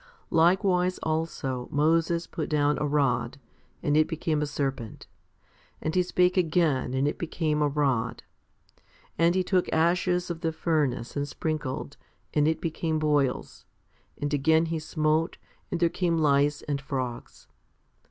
Likewise also Moses put down a rod, and it became a serpent, and he spake again and it became a rod; and he took ashes of the furnace and sprinkled, and it became boils ; and again he smote, and there came lice and frogs.